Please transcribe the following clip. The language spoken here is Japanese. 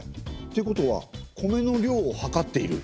ということは米の量を量っている？